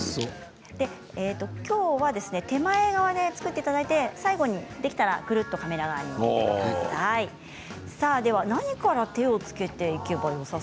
今日は手前側で作っていただいて最後にできたら、くるっとカメラ側に向けてください。